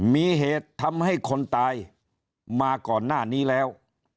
มีเหตุทำให้คนตายมาก่อนหน้านี้แล้ว